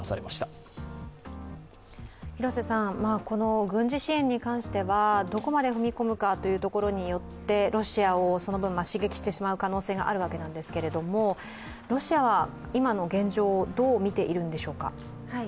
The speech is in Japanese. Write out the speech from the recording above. この軍事支援に関してはどこまで踏み込むかによって、ロシアをその分、刺激してしまう可能性があるわけなんですがロシアは今の現状をどう見ているんでしょうか。